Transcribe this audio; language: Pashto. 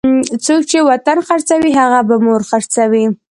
څوک چې وطن خرڅوي هغه به مور خرڅوي.